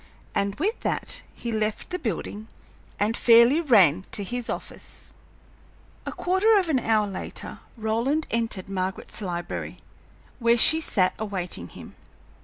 And with that he left the building and fairly ran to his office. A quarter of an hour later Roland entered Margaret's library, where she sat awaiting him.